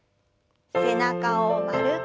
背中を丸く。